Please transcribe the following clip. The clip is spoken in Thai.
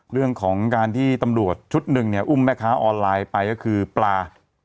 เรื่องของการที่ตำรวจชุดหนึ่งเนี่ยอุ้มแม่ค้าออนไลน์ไปก็คือปลา